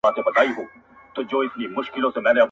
د پاچا صاحب باز دئ، پر ډېران چرگوړي نيسي.